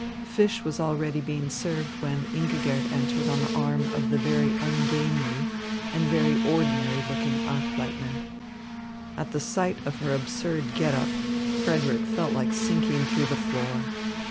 Fish was already being served when Ingigerd entered on the arm of the very ungainly and very ordinary looking Achleitner. At the sight of her absurd get up, Frederick felt like sinking through the floor.